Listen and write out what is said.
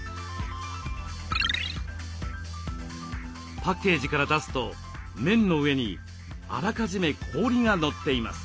パッケージから出すと麺の上にあらかじめ氷が載っています。